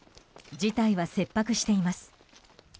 事態は切迫しています。